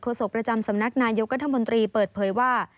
โศกประจำสำนักนายกรัฐมนตรีเปิดเผยว่า